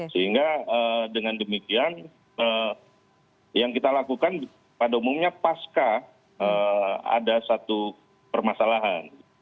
sehingga dengan demikian yang kita lakukan pada umumnya pasca ada satu permasalahan